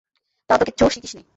তাও তো কিচ্ছু শিখিস নি।